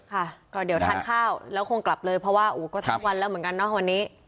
ค่ะก็เดี๋ยวทานข้าวแล้วคงกลับเลยเพราะว่าก็ทั้งวันแล้วเหมือนกันเนาะวันนี้